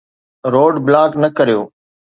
Road block نه ڪريو.